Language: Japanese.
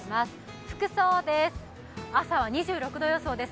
服装です、朝は２６度予想です。